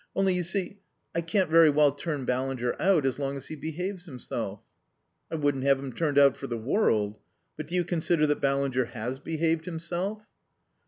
Only, you see, I can't very well turn Ballinger out as long as he behaves himself." "I wouldn't have him turned out for the world.... But do you consider that Ballinger has behaved himself?"